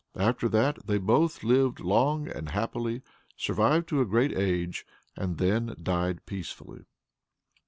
After that they both lived long and happily, survived to a great age, and then died peacefully.